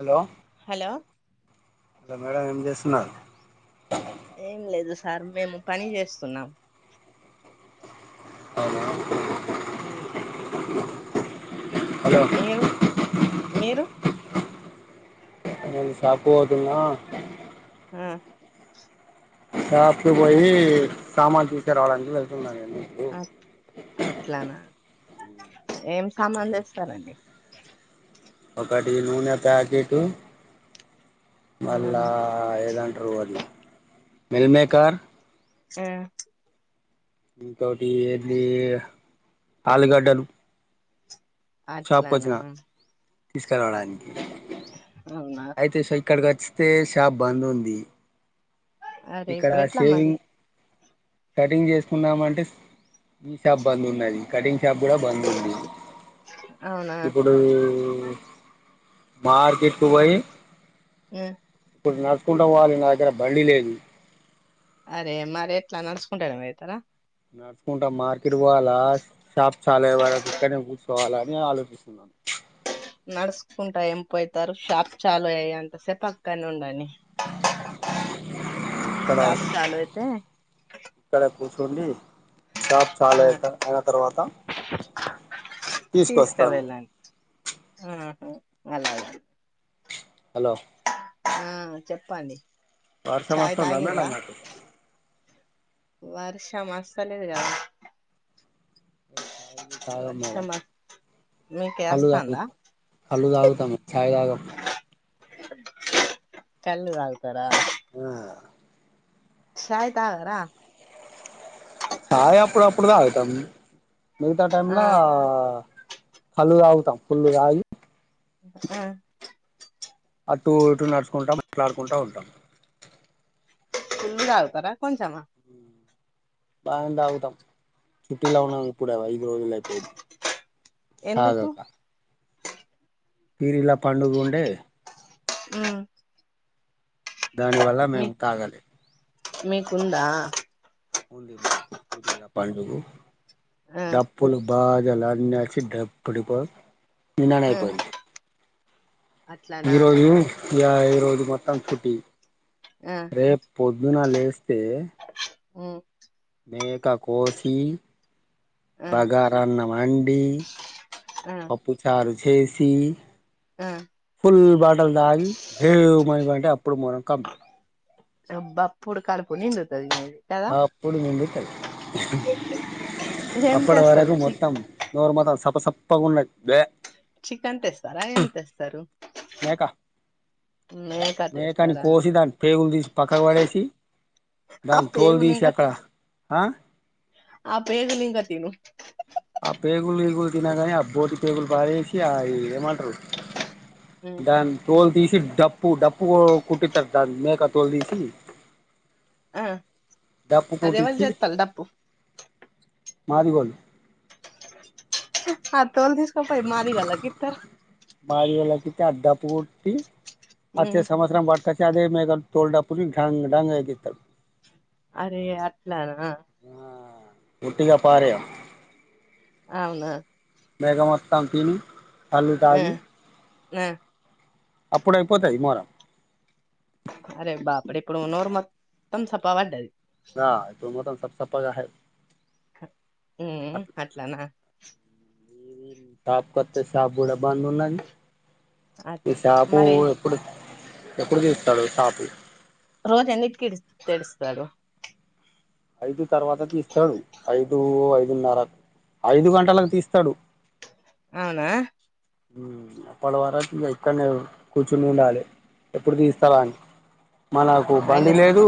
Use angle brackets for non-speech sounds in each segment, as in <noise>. Hello hello ఇంక madam ఏం చేస్తున్నారు ఏం లేదు సార్ మేము పని చేస్తున్నాం ఆహా హు హలో మీరు మీరు నేను షాప్కపోతున్నా హ షాప్ కు పోయి సామాను తీసుకు రావడానికి వెళ్తున్నా నేను ఇప్పుడు అ అట్లానా ఏం సామాన్ తెస్తారండి ఒకటి నూనె ప్యాకెటు ఆ మళ్ళా ఏదంటారు అది మిల్ మేకర్ ఆ ఇంకోటి ఏంది ఆలుగడ్డలు షాపుకి అట్లానా వచ్చిన తీసుకురావడానికి అవునా అయితే సో ఇక్కడికి వచ్చితే షాప్ బంద్ ఉంది అరే ఇప్పుడు ఎట్లా మరి కట్టింగ్ చేసుకుందాం అంటే ఈ షాప్ బంద్ ఉన్నది కటింగ్ షాప్ కూడా బంద్ ఉంది అవునా ఇప్పు డు మార్కెట్కి పోయి ఉ ఇప్పుడు నడుచుకుంట పోవాలి నా దగ్గర బండి లేదు అరే మరి ఎట్లా నడుచుకుంటానే వెళ్తారా నడుచుకుంట మార్కెట్కి పోవాలా షాప్ చాలయే వరకు ఇక్కడ కుర్చ్ కోవాల అని ఆలోచిస్తున్నాను నడుచుకుంట ఏం పోయితారు షాపు చాలు అయ్యే వరకు అక్కడనే ఉండండి కదా షాప్ చాలు అయితే ఇక్కడ కూర్చోండి షాప్ ఆ చాలు అయిన తర్వాత తీసుకువస్తాను అండ్ ఆహ అలానా హలో ఆ చెప్పండి వర్షం చాయ్ వస్తుందా తాగిర్రా మేడమ్ అటు వర్షం వస్తలేదు కదా మేము చాయ్ లు తాగము మేడం వర్షం మీకే కళ్ళు తాగు వస్తాందా కళ్ళు తాగుతాము చాయ్ తాగం కళ్ళు తగుతారా ఆ చాయ్ తాగరా చాయ్ అప్పుడప్పుడు తాగుతాము మిగతా టైంల ఆ కళ్ళు తాగుతాము ఫుల్ తాగి ఉ ఆ టూ ఇటూ నడుచుకుంటా మాట్లాడుకుంటా ఉంటాం ఫుల్లు తాగుతారా కొంచె మా హ బానే తాగుతాం చుట్టిలో ఉన్నాం ఇప్పుడ ఐదు రోజులు అయిపోయిది ఎందుకు పీరిలా పండుగ ఉండే ఉమ్ దాని వల్ల మీ మేము తాగాలి మీకుందా ఓన్లీ మాకు పిపూరీల పండుగ ఆ డప్పులు బాగాల అన్సి డబ్బడిపో నినాన ఆ అయిపోద్ది అట్లానా ఈరోజు యా ఈరోజు మొత్తం చుట్టీ ఆ రేపు పొద్దున లేస్తే మ్ మేక కోసీ ఆ బగారా అన్నం వొండీ మ్ పప్పుచారు చేసీ మ్ ఫుల్ బాటల్ తాగి భేవ్ మనికంటే అప్పుడు మనం కంప్లీట్ అబ్బాప్పుడు కడుపు నిండుతాది నీది అప్పుడు నిండుతయ్ ఏం అప్పడు తెస్తారు వరకు చి మొత్తం నోరు మొత్తం సప్ప సప్పగా ఉన్నా య్ వే చికెన్ తెస్తారా ఏం తెస్తారు మేకా మేక మేకాని తెస్తారా కోసీదాని పేగులు తీసి పక్కకు పడేసి ఆ దాని తోలు పేగులు ఇంకా తీసాక అ ఆ పేగులింక తినునింగతను ఆ పేగులు ఏగులు తిన్నాగాని ఆ బోటి పేగులు పారేసి ఆ ఏమంటారు ఉమ్, దాని తోలు తీసి డప్పు డప్పు కుట్టితారు దాని మేక తోలు తీసి ఆ డప్పు అది ఎవలు కొటిచ్చీ చేత్తలు డప్పు మాదిగోలు ఆ తోల్ తీసుకపోయి మాదిగోళ్ళకిత్తరా మాది గోళ్ళకిత్తె అ డప్పు కొట్టి అచ్చ సంవత్సరం పాటు అదే మేకతోల్ డప్పులు ఇంక డాంగ్ డాంగ్ అని ఏగిత్తరు అరే అట్లానా ఆ ఒట్టిగా పారేయం అవునా మేక మొత్తం తిని కళ్ళు తాగి హ్మ్ హ్మ్ అప్పుడు అయిపోతాయి ఈ మోర అరే బాప్పుడే ఇక్కడ ఉన్నంతవరకు మొత్తం సప్ప పడ్డది ఆ ఇప్పు మొత్తం సప్ప సప్పగా హెయ్ ఉమ్ అట్లానా మ్ షాపు కొత్త షాపు కూడా బంద్ ఉన్నాది ఈ షాపూ మరి ఎప్పుడు తీస్తాడు షాపు రోజా అన్నిటికి ఏడుస్తాడు ఐదు తర్వాత తీస్తాడు ఐదు ఐదున్నర ఐదు గంటలకు తీస్తాడు అవునా అప్పటి వరకు ఇక్కడనే కూర్చుని ఉండాలి ఎప్పుడు తీస్తాల అని మనకు బండి అయనే లేదు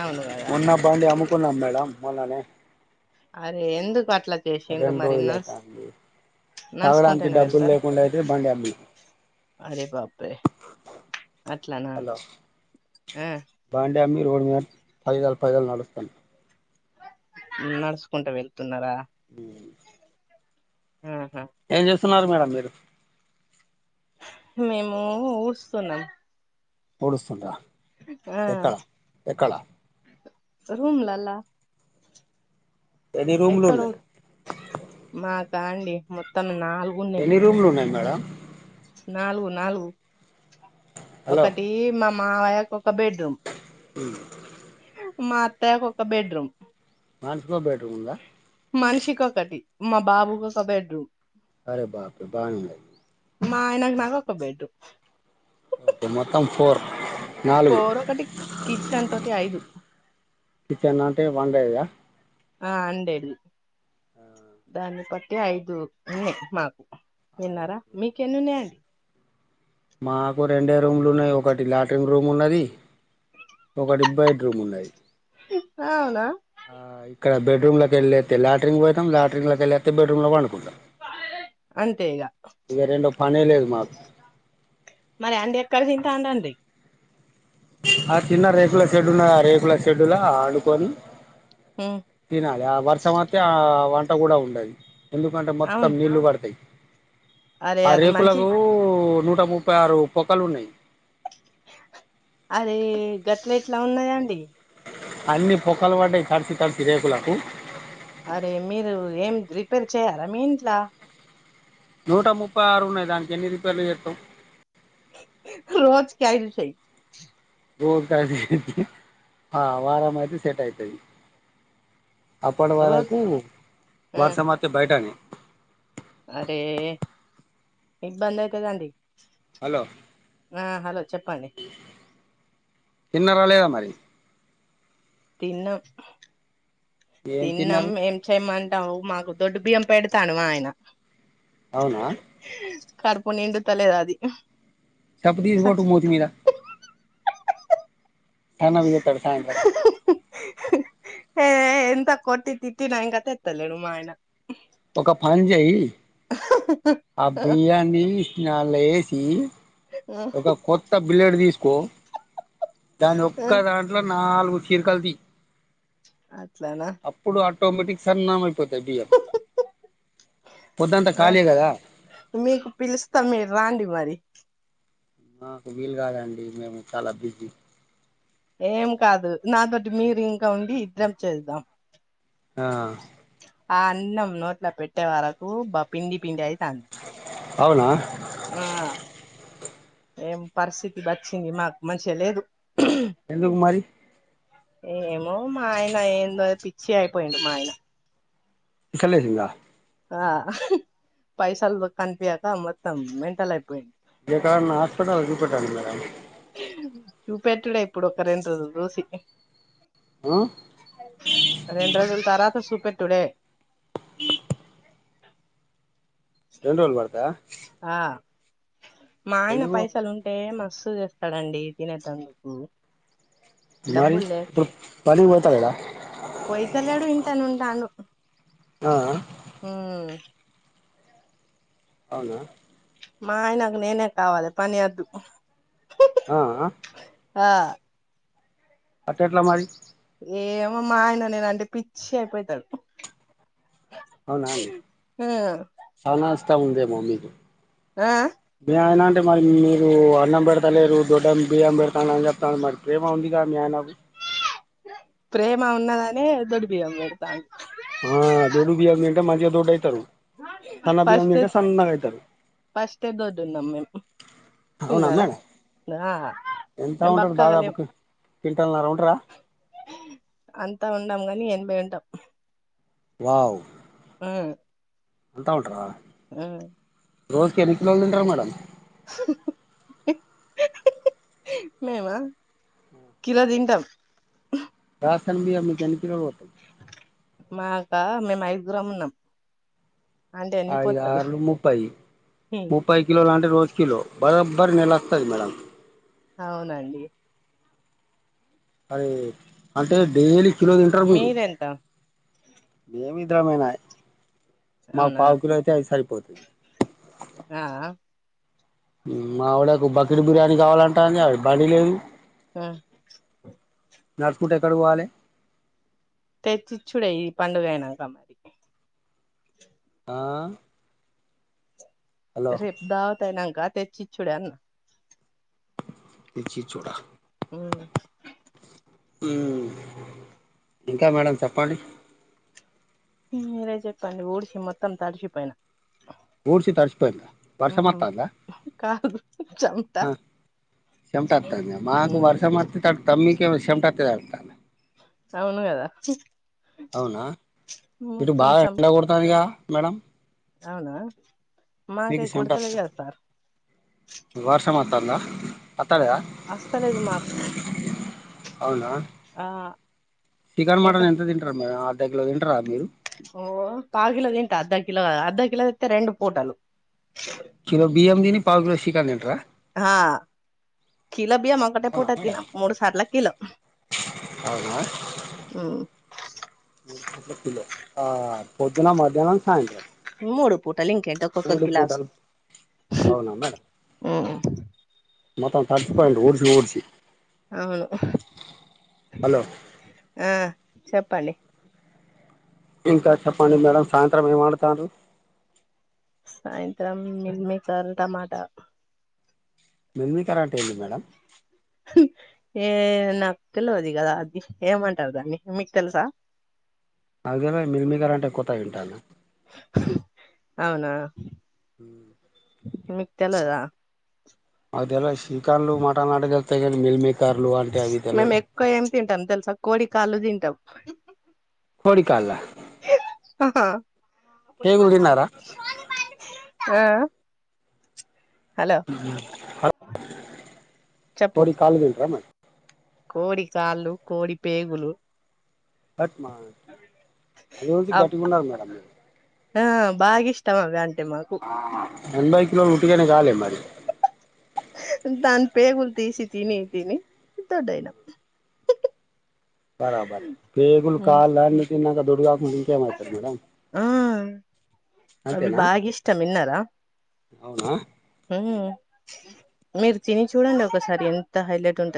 అవును కదా ఉన్నప్పు బండి అమ్ముకున్నాం మేడం మొననే అరే ఎందుకు అట్లా చేసిండ్రు రెండు మరి రోజులు నడుస్ అయితాంది తాగడానికి నడుచుకుంటేనే డబ్బులు వెళ్తారు లేకుండా అయితే బండి అమ్మి అరే బాబ్ రే ‌ అట్లానా ఆ బాండి అమ్మి రోడ్డు మీద పైదాలు పైదాలు నడుస్తాను నడుసుకుంటా వెళ్తున్నారా ఆహా. ఏం చేస్తున్నారు మేడం మీరు. మేము ఊడుస్తున్నాం వుడుస్తుండ్రా ఆ రూమ్లాల ఎన్ని రూమ్లు ఎక్కడో ఉన్నాయి మాకా అండి మొత్తం నాలుగు ఉన్నాయి మీ రూమ్లు ఎన్ని ఉన్నాయి మేడమ్ నాలుగు నాలుగు హలో ఒకటి మమ్ మా వయకు ఒక బెడ్రూమ్ హ్మ్మ్ మా అత్తయ్యకు ఒక బెడ్రూమ్ వానికో బెడ్రూమ్ ఉందా మనిషిక ఒకటి మా బాబుకు ఒక బెడ్రూమ్ అరే బాపు బాగు. మా ఆయనకు నాక ఒక బెడ్. ఓకే మొత్త ఫోర్ నాలుగు ఫోర్ ఒకటి కిచెన్ తోటి ఐదు. కిచ్చెన్ అంటే వండేద ఆ అండేది దాన్ని బట్టి ఐదు ఉన్నాయి మాకు విన్నారా మీకేన్నునాయి అండి మాకు రెండే రూమ్లు ఉన్నాయి ఒకటి లాట్రిన్ రూమ్ ఉన్నది ఒక‌ బెడ్ రూమ్ ఉన్నాది అవునా ఆ ఇక్కడ బెడ్రూమ్ లోక వెళ్ళతే లాట్రిన్ పోతాం లాటన్ లోల వెళ్ళస్తతే బెడ్రూమ్ లోకి పడుకుంటాం. అంతే ఇగ ఇగా రెండో పని లేదు మాకు మరి అండి ఎక్కడ తింటా అండండి ఆ చిన్న రేకుల షడ్యూల్ రేకుల అ షెడ్యూల్ ఆండుకొని. హ్మ్మ్ తినాలి ఆ వర్షం వత్తే ఆ వంట కూడా ఉండది ఎందుకంటే మొత్తం అవును నీళ్లు పడతాయి అరే ఆ అది మంచి రేకులకు నూట ముప్ప. ముప్పై ఆరు పోక్కలు ఉన్నాయి. అరే గట్ల ఎట్లా ఉన్నాయాండి. అన్ని పొక్కలు పడ్డాయి తడ్చి తడిచి రేకులకు అరే మీరు ఏం రిపేర్ చేయారా మీ ఇంట్లా నూట ముప్పై ఆరు ఉన్నాయి దానికి ఎన్ని రీపేర్ లు చేత్తం రోజు కీ ఐదు సేయి దోక నైంటి ఆ వారం అయితే సెట్ అయితది అప్పటి రోజు వరకు ఆ వర్షం వత్తే బయటనే అరే ఇబ్బందైతదండి హలో ఆ హలో చెప్పండి తిన్నారా లేదా మరి తిన్నం ఏం తిన్నం తిన్నారు ఎం చెయమంటావు మాకు దొడ్డు బియ్యం పెడతాండు మా ఆయన అవునా కడుపు నిండుతలేదు అది సబ్బు తీసి కొట్టు మూతి మీద తన్నవి చెత్తాడు సాయంత్రం ఎయ్ ఎంత కొట్టి తిట్టిన ఇంకా తెత్తలేడు మా ఆయన ఒక పన్ చెయ్ ఆ బియ్యాన్ని స్నల్లో ఎసి ఒక కొ త్త బిలెడ్ తీసుకో దాని ఒక్క దాంట్లో నాలుగు చీరికలు తీ అట్లనా అప్పుడు ఆటోమేటిక్ సన్నం అయిపోతాయి బియ్యం పొద్దుంతా ఆ ఖాళీ కదా మీకు పిలుస్తా మీరు రండి మరి నాకు వీలు కాదండి మేము చాలా బిజీ ఏం కాదు నాతోటి మీరు ఇంకా ఉండి ఇద్దరు చేద్దాం ఆ ఆ అన్నం నోట్ల పెట్టే వరకు బ్బ పిండి పిండి అయితది అవునా ఆ ఏం పరిస్థితి వచ్చింది మాకు మంచిగా లేదు ఎందుకు మరి ఏమో మా ఆయన ఏందో పిచ్చి అయిపోయిండు మా ఆయన ఎక్కలేదు ఇంగా ఆ పైసాలు కనిపియక మొత్తం మెంటల్ అయిపోయింది ఎక్కడన్నా హాస్పిటల్‌కి చూపెట్టండి మేడం చూపెట్టుడే ఇప్పుడు ఒక రెండు రోజులు చూసి ఆ రెండు రోజులు తర్వాత సూపెట్టుడే ఈ రెండు రోజులు పడతదా ఆ మా ఆయన ఎందుకు పైసలు ఉం టే మస్తు తెస్తాడండి తినేటందుకు మరి డబ్బులు లే ఇప్పుడు పనికి పోతాలేడ పోయితలేడు ఇంట్లనే ఉంటాండు ఆఆ ఉమ్మ్ అవునా మా ఆయనకు నేనే కావాలి పని అద్దు ఆఆ ఆ అట్టెట్లా మరి ఏమో మా ఆయన నేనంటే పిచ్చి అయిపోతాడు అవునా అండి ఆ చాన వస్తా ఉందేమో మీకు ఆ ఆ ఏమొనండి మరి మీరు అన్నం పెడతలేరు దొడ్డం బియ్యం పెడతాంది అని చెప్తాను మరి ప్రేమ ఉందిగా మీ ఆయనకు ప్రేమ ఉన్నదనే దొడి బియం పెడతాన్నా ఆ దోడ్డు బియ్యం తింటే మంచిగా దొడ్డు అయితారు ఫస్ట్ ఫస్టే దొడ్ ఉన్నాం మేం అవునేమి ఎంత మేము ఉంటది బక్కగా లేం దాదాపుకి క్వింటల్ న్నర ఉంటారా అంతా ఉండం కాని ఎనభై ఉంటాం వావ్ హుమ్ అంతా ఉంటరా హుమ్ రోజుకి ఎన్ని కిలోలు తింటర్ మేడం మేమా కిలో తింటాం రేషన్ బియ్యం మీకెన్ని కిలోలు వస్తుంది మాకా మేము ఐదుగురం ఉన్నాం అంటే ఎన్ని ఐదు ఐదు పోత్తలు ఆరుల ముప్పై ముప్పై కిలోలు అంటే రోజు కిలో బరాబర్ నెలొస్తది మేడం అవునండి అరే అంటే డైలీ కిలో తింటారు మీరు మీరెంత మేం ఇద్దరమే మాకు అవునా పావు కిలో అయితే సరిపోతుంది ఆ ఆ హుమ్ మావిడకు బకెట్ బిర్యానీ కావాలంటా అది <unintelligible> హుమ్ నడుచూకుంట ఎక్కడ పోవాలి తెచ్చిచ్చుడే ఈ పండుగ అయినాంక ఆమెకీ ఆ హలో రేపు దావతయినాంక తెచ్చిచుడే అనే తెచ్చిచ్చుడా హుమ్ హుమ్ ఇంకా మేడం చెప్పండి హుమ్ మీరే చెప్పండి ఊడిసి మొత్తం తడిసిపోయిన ఊడ్సి తడ్సిపోయినా వర్షం ఉమ్ వత్తాంద కాదు చమట చెమట అత్తాంద మాకు వర్షం వత్తే తడుత్తం మీకేమో చెమటోత్తే తడుత్త అవును గదా అవునా ఇటు బాగా చెం ఎండ కొడుతందిగా మేడం అవునా మీకు మాకయి చెమట కొడతలే కదా సార్ వర్షం వత్తందా అస్తలేదు మాకు అవునా అవును చికెన్ మటన్ ఎంత తింటారా మీరు అర్ధ కిలో తింటారా మీరు ఓ పాపుకిలో తింటా, అద్ధ కిలో అద్ధ కిలో తెత్తే రెండు పూటలు. కిలో బియ్యం తిని పావు కిలో చికెన్ తింటరా. హా కిల బియ్యం మాకు ఒకటే పూట అవునా మేడం తీనా మూడు సార్లా కిలో. అవునా ఒక కిలో ఆ పొద్దున, మధ్యాహ్నం, సాయంత్రం. మూడు పూటలు ఇంకెంటి ఒ మూడు పూటలు. అవునా మేడం హ్ మొత్తం తడిసిపోయిండు ఊడ్సి ఊడ్సి. అవును హలో ఆ చెప్పండి. ఇంకా చెప్పండి మేడం సాయంత్రం ఏం అండుతర్రు. సాయంత్రం మిల్మేకర్ టమాటా మిల్మికర్ అంటే ఏంది మేడం. ఏ నాకు తెలవదు కదా అది. ఏమంటరు దాన్ని మీకు తెలుసా. నాకు తెలవది మిల్మికర్ అంటే కొత్తగా ఇంటన్నా. అవునా మీకు తెలవదా మాకు మాకు తెలవదు చికన్లు, మటన్లు అంటే తె ల్తయిగానీ మిల్మికర్లు అంటే అని తెల్వయి. మేము ఎక్కువ ఏం తింటాం తెలుసా కోడి కాళ్ళు తింటం. కోడి కాళ్ళా. ఆహా పేగులు తిన్నారా ఆ హలో ఆహా చెప్పు కోడియి కాళ్ళు తింటరా మేడం. కోడి కాళ్ళు, కోడి పేగులు హాట్ అందుగురించి ఆ గట్టిగ ఉన్నరు మేడం మీరు. ఆ బాగా ఇష్టం అవి అంటే మాకు. ఆ ఎనభై కిలోలు ఉట్టిగనే కాలే మరి. దాని పేగులు తీసి తిని తిని దొడ్డయినా. బరాబరే పేగులు ఉమ్. కాళ్ళు అన్ని తిన్నంకా దొడ్డు కాకుంటే ఇంకే మయితరు మేడం ఆ అవి అంతేనా. బాగా ఇష్టం విన్నారా అవునా మీరు తిని చూడండి ఒకసారి ఎంత హైలైట్ ఉంటది.